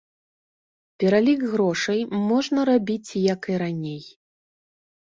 Пералік грошай можна рабіць як і раней.